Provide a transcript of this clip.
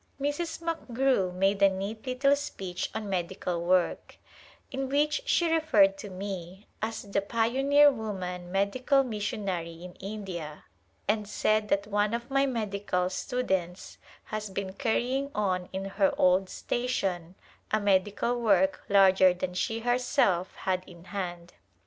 Mrs. McGrew made a neat little speech on medical work, in which she referred to me as the pioneer woman medical missionary in India, and said that one of my medical students has been carrying on in her old station a medical work larger than she her self had in hand.